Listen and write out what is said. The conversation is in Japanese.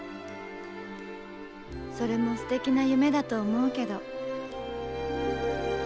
それもすてきな夢だと思うけど。